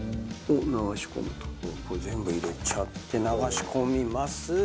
これ全部入れちゃって流し込みます。